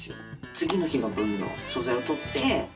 次の日の分の素材を撮って。